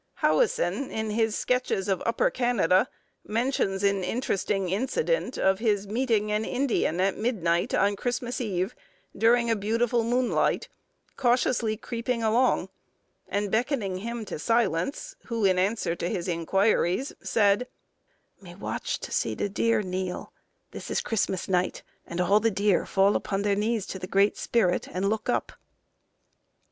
Howison, in his 'Sketches of Upper Canada,' mentions an interesting incident of his meeting an Indian at midnight, on Christmas Eve, during a beautiful moonlight, cautiously creeping along, and beckoning him to silence, who, in answer to his inquiries, said, "Me watch to see the deer kneel; this is Christmas night, and all the deer fall upon their knees to the Great Spirit, and look up."